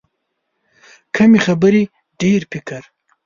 کمې خبرې، ډېر فکر.